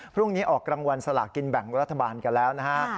พรุ่งนี้ออกรางวัลสลากินแบ่งรัฐบาลกันแล้วนะฮะ